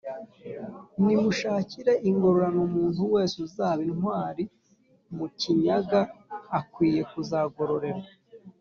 « nimunshakire ingororano umuntu wese uzaba intwari mu kinyaga akwiye kuzagororerwa»